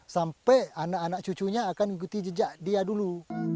sampai anak anak cucunya akan mengikuti jejak dia dulu